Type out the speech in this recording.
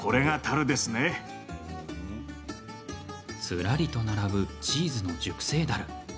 ずらりと並ぶチーズの熟成だる。